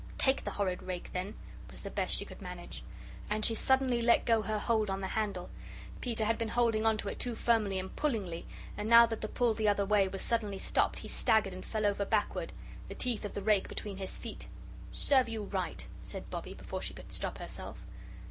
"Take the horrid rake, then," was the best she could manage. And she suddenly let go her hold on the handle. Peter had been holding on to it too firmly and pullingly, and now that the pull the other way was suddenly stopped, he staggered and fell over backward, the teeth of the rake between his feet. "Serve you right," said Bobbie, before she could stop herself.